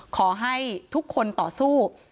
ขอให้ทุกคนต่อสู้